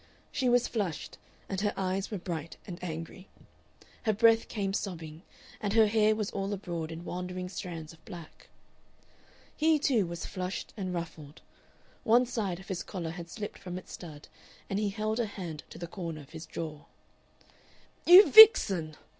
She was flushed, and her eyes were bright and angry; her breath came sobbing, and her hair was all abroad in wandering strands of black. He too was flushed and ruffled; one side of his collar had slipped from its stud and he held a hand to the corner of his jaw. "You vixen!"